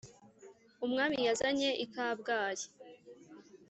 umwami yazanye i kabgayi